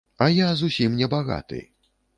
А я зусім не багаты.